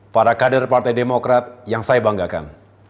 para kader partai demokrat yang saya banggakan